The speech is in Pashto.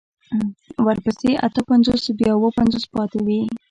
ورپسې اته پنځوس بيا اوه پنځوس پاتې وي.